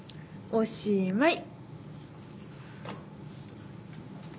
おしまい。